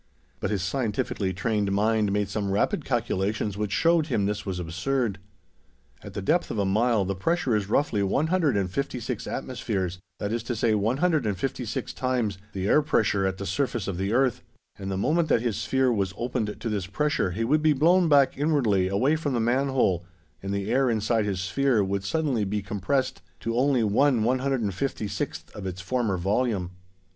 But his scientifically trained mind made some rapid calculations which showed him this was absurd. At the depth of a mile, the pressure is roughly 156 atmospheres, that is to say, 156 times the air pressure at the surface of the earth; and the moment that his sphere was opened to this pressure, he would be blown back inwardly away from the man hole, and the air inside his sphere would suddenly be compressed to only 1/156 of its former volume.